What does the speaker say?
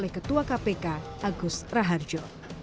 ketua kpk agus raharjo